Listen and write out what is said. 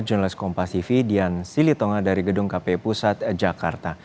jones kompasifi dian silitonga dari gedung kpu pusat jakarta